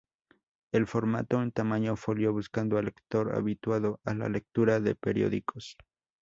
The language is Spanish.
El formato, en tamaño folio buscando al lector habituado a la lectura de periódicos.